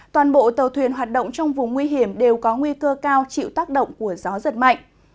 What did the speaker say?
toàn bộ tàu thuyền hoạt động trong vùng nguy hiểm đều có nguy cơ cao chịu tác động của gió giật mạnh